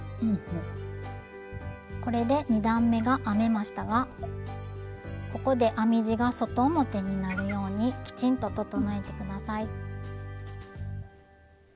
これで２段めが編めましたがここで編み地が外表になるようにきちんと整えて下さい。